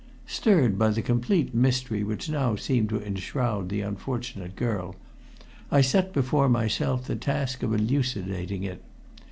Stirred by the complete mystery which now seemed to enshroud the unfortunate girl, I set before myself the task of elucidating it.